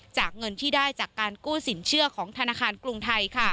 เงินที่ได้จากการกู้สินเชื่อของธนาคารกรุงไทย